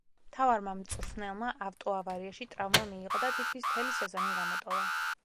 მთავარმა მწვრთნელმა ავტოავარიაში ტრავმა მიიღო და თითქმის მთელი სეზონი გამოტოვა.